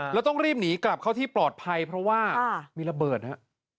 แล้วต้องรีบหนีกลับเข้าที่ปลอดภัยเพราะว่ามีระเบิดฮะ